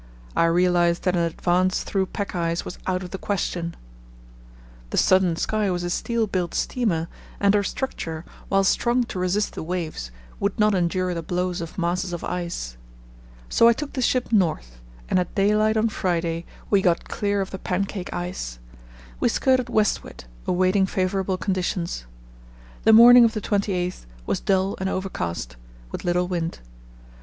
I realized that an advance through pack ice was out of the question. The Southern Sky was a steel built steamer, and her structure, while strong to resist the waves, would not endure the blows of masses of ice. So I took the ship north, and at daylight on Friday we got clear of the pancake ice. We skirted westward, awaiting favourable conditions. The morning of the 28th was dull and overcast, with little wind.